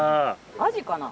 アジかな？